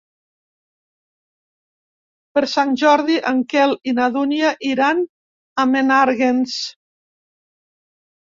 Per Sant Jordi en Quel i na Dúnia iran a Menàrguens.